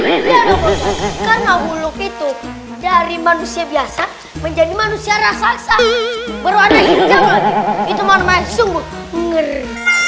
iya lukman karena huluk itu dari manusia biasa menjadi manusia raksasa baru ada hijab lagi itu namanya sungguh ngeri